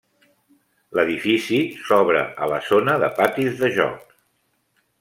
L'edifici s'obre a la zona de patis de joc.